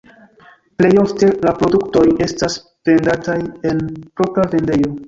Plej ofte la produktoj estas vendataj en propra vendejo.